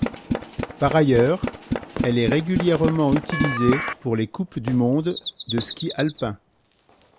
Par ailleurs, elle est régulièrement utilisée pour les Coupes du monde de ski alpin.